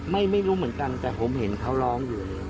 ไม่รู้เหมือนกันแต่ผมเห็นเขาร้องอยู่